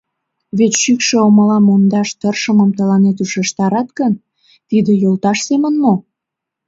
Вет шӱкшӱ омыла мондаш тыршымым тыланет ушештарат гын, тиде йолташ семын мо?